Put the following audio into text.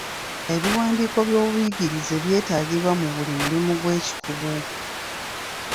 Ebiwandiiko by'obuyigirize byetaagibwa mu buli mulimu ogw'ekikugu.